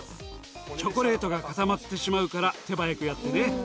チョコレートが固まってしまうから手早くやってね。